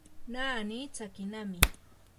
naani tsakinami.